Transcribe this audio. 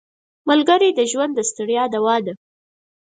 ملګری د ژوند د ستړیا دوا ده